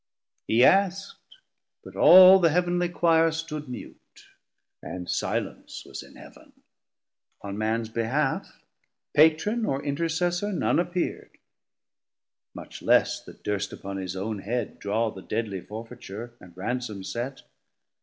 He ask'd, but all the Heav'nly Quire stood mute, And silence was in Heav'n: on mans behalf Patron or Intercessor none appeerd, Much less that durst upon his own head draw 220 The deadly forfeiture, and ransom set.